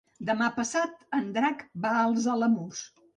Demà passat en Drac va als Alamús.